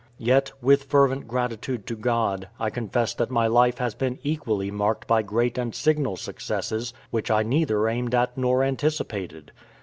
Yet, with fervent gratitude to God, I confess that my life has been equally marked by great and signal successes which I neither aimed at nor anticipated.